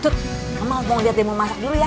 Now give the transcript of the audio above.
kamu mau liat demo masak dulu ya